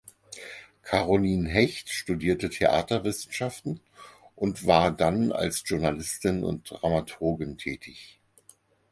Carolin Hecht studierte Theaterwissenschaften und war dann als Journalistin und Dramaturgin tätig.